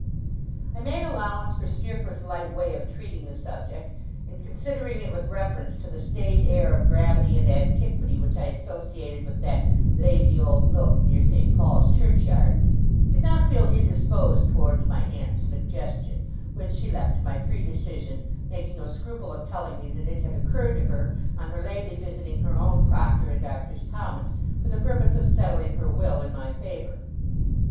I made allowance for Steerforth's light way of treating the subject, and, considering it with reference to the staid air of gravity and antiquity which I associated with that 'lazy old nook near St. Paul's Churchyard', did not feel indisposed towards my aunt's suggestion; which she left to my free decision, making no scruple of telling me that it had occurred to her, on her lately visiting her own proctor in Doctors' Commons for the purpose of settling her will in my favour.